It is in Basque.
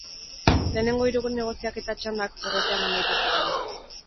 Lehengo hiru negoziaketa txandak porrotean amaitu ziren.